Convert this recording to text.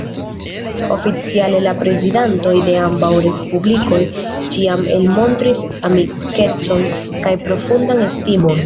Oficiale la prezidantoj de ambaŭ respublikoj ĉiam elmontris amikecon kaj profundan estimon.